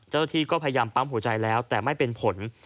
เจ้าหน้าที่ก็พยายามปั๊มหัวใจแล้วแต่ไม่เป็นผล